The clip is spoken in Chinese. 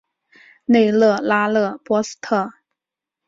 内勒拉勒波斯特。